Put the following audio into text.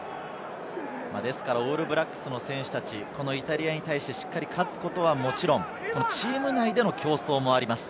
オールブラックスの選手たち、イタリアに対して、しっかり勝つことはもちろん、チーム内での競争もあります。